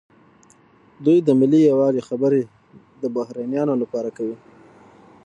دوی د ملي یووالي خبرې د بهرنیانو لپاره کوي.